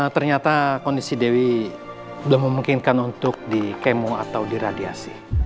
ternyata kondisi dewi sudah memungkinkan untuk dikemo atau diradiasi